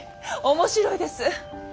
面白いです。